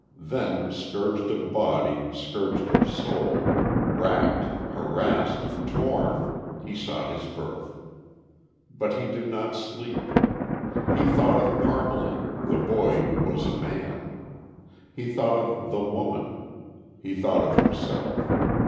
Then, scourged of body, scourged of soul, wracked, harassed, torn, he sought his berth. But he did not sleep. He thought of Parmalee, the boy who was a man. He thought of The Woman. He thought of himself.